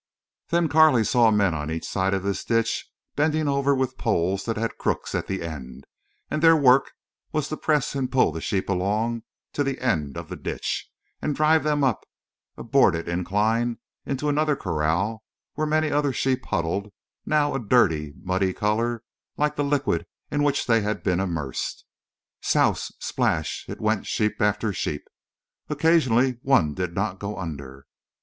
Then Carley saw men on each side of this ditch bending over with poles that had crooks at the end, and their work was to press and pull the sheep along to the end of the ditch, and drive them up a boarded incline into another corral where many other sheep huddled, now a dirty muddy color like the liquid into which they had been emersed. Souse! Splash! In went sheep after sheep. Occasionally one did not go under.